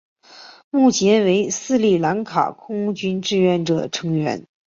目前为斯里兰卡空军志愿军成员。